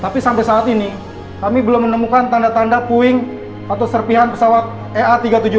tapi sampai saat ini kami belum menemukan tanda tanda puing atau serpihan pesawat ea tiga ratus tujuh puluh